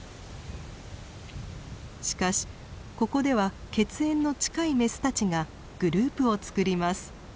しかしここでは血縁の近いメスたちがグループをつくります。